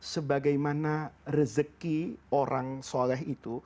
sebagaimana rezeki orang soleh itu